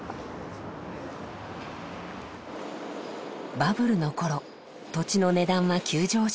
バブルの頃土地の値段は急上昇。